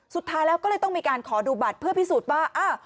สุดท้ายแล้วก็เลยต้องมีการขอดูบัตรเพื่อพิสูจน์ว่า